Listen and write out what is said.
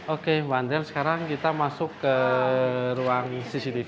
oke mbak andre sekarang kita masuk ke ruang cctv